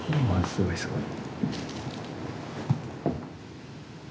すごいすごい。